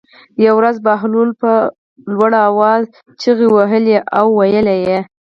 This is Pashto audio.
یوه ورځ بهلول په لوړ آواز چغې وهلې او ویلې یې.